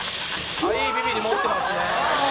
いいビビリ持ってますね」